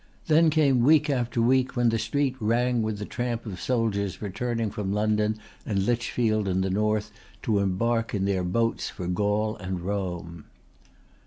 Then came week after week when the street rang with the tramp of soldiers returning from London and Lichfield and the North to embark in their boats for Gaul and Rome."